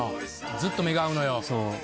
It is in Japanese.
ずっと目が合うのよ。